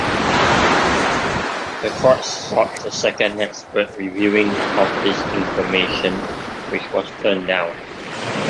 The courts sought a second expert reviewing of this information which was turned down.